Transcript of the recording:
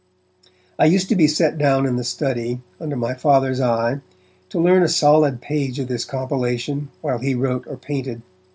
I used to be set down in the study, under my Father's eye, to learn a solid page of this compilation, while he wrote or painted.